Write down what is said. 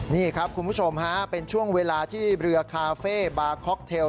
นี่ครับคุณผู้ชมฮะเป็นช่วงเวลาที่เรือคาเฟ่บาคอกเทล